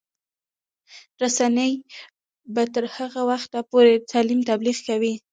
رسنۍ به تر هغه وخته پورې د تعلیم تبلیغ کوي.